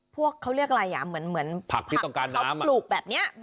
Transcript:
พวกเขาเรียกอะไรอ่ะเหมือนผักที่ต้องการเขาปลูกแบบนี้